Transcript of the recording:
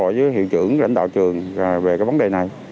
với hiệu trưởng lãnh đạo trường về cái vấn đề này